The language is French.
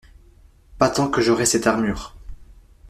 Pas tant que j'aurai cette armure.